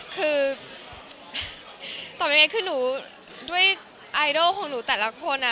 คือตอบยังไงคือหนูด้วยไอดอลของหนูแต่ละคน